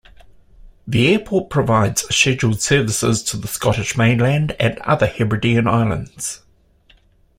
The airport provides scheduled services to the Scottish mainland and other Hebridean islands.